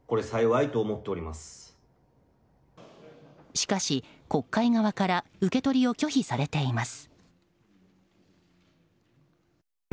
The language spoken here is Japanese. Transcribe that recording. しかし、国会側から受け取りを拒否されています。